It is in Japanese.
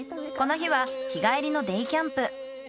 この日は日帰りのデイキャンプ。